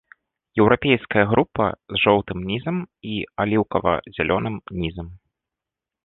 Еўрапейская група з жоўтым нізам і аліўкава-зялёным нізам.